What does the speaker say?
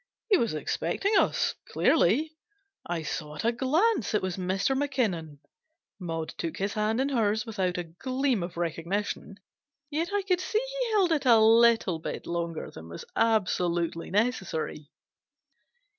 He was ex pecting us, clearly. I saw at a glance it was Mr. Mackinnon. Maud took his hand in hers without a gleam of recognition, yet I could see he held it a little bit longer than was absolutely necessary.